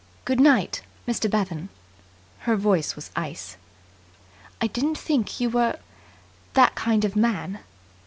"Good night, Mr. Bevan." Her voice was ice. "I didn't think you were that kind of man."